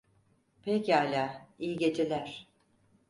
Pekâlâ, iyi geceler.